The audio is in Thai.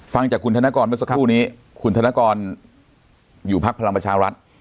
ฟังจากคุณธนกรเมื่อสักครู่นี้คุณธนกรอยู่พักพลังประชารัฐ